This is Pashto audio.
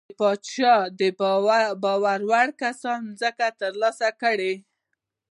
د پاچا د باور وړ کسانو ځمکې ترلاسه کړې.